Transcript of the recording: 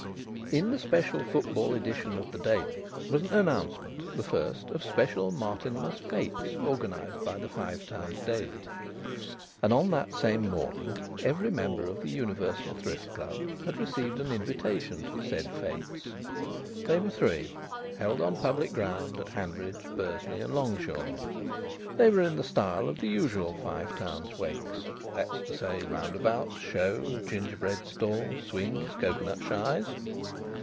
In the special football edition of the Daily was an announcement, the first, of special Martinmas fêtes organised by the Five Towns Daily. And on the same morning every member of the Universal Thrift Club had received an invitation to the said fêtes. They were three held on public ground at Hanbridge, Bursley, and Longshaw. They were in the style of the usual Five Towns "wakes"; that is to say, roundabouts, shows, gingerbread stalls, swings, cocoanut shies.